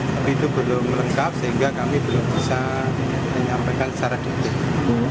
tapi itu belum lengkap sehingga kami belum bisa menyampaikan secara detail